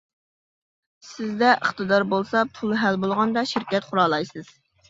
سىزدە ئىقتىدار بولسا پۇل ھەل بولغاندا شىركەت قۇرالايسىز.